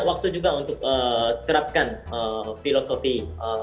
dan saya juga bisa memperbaiki kemahiran saya